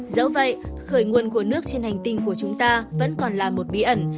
dẫu vậy khởi nguồn của nước trên hành tinh của chúng ta vẫn còn là một bí ẩn